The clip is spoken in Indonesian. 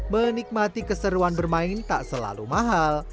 menikmati keseruan bermain tak selalu mahal